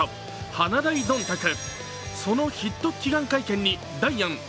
華大どんたく。